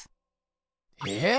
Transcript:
えっ？